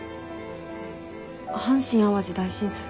阪神・淡路大震災。